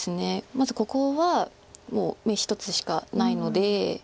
まずここはもう眼１つしかないので。